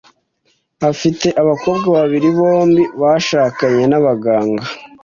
Afite abakobwa babiri, bombi bashakanye n'abaganga .